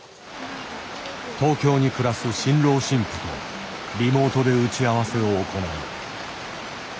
東京に暮らす新郎新婦とリモートで打ち合わせを行う。